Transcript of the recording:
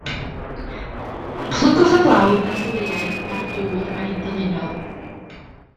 Plygwch y blawd dros y wyau a'r dŵr a'i dylino.